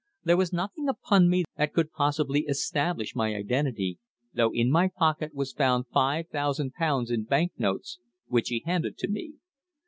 There was nothing upon me that could possibly establish my identity, though in my pocket was found five thousand pounds in bank notes which he handed to me.